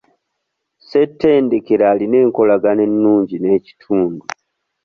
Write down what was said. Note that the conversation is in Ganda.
Ssettendekero alina enkolagana ennungi n'ekitundu.